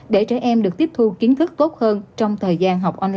để trẻ em được tiếp thu kiến thức tốt hơn trong thời gian học online